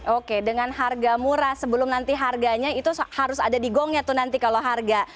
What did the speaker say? oke dengan harga murah sebelum nanti harganya itu harus ada di gongnya tuh nanti kalau harga